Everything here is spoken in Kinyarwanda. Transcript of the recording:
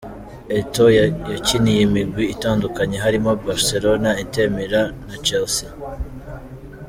Eto'o yakiniye imigwi itandukanye harimwo Barcelona, Inter Milan na Chelsea.